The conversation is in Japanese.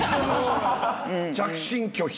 着信拒否。